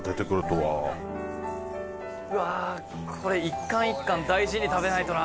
うわーこれ１貫１貫大事に食べないとな。